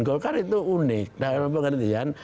golkar itu unik dalam pengertian